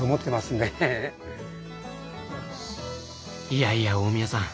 いやいや大宮さん